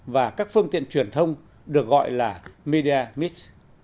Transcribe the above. và các phương tiện truyền thông được gọi là mediamix